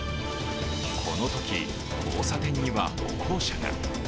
このとき、交差点には歩行者が。